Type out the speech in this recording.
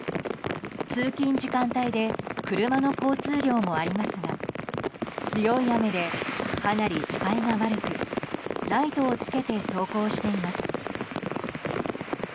通勤時間帯で車の交通量もありますが強い雨でかなり視界が悪くライトをつけて走行しています。